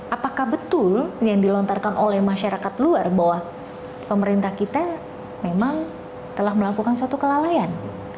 apakah betul yang dilontarkan oleh masyarakat luar bahwa pemerintah kita memang telah melakukan suatu kelalaian